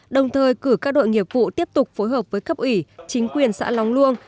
đồng thời cử các đội nghiệp vụ tiếp tục phối hợp với cấp ủy chính quyền xã lóng luông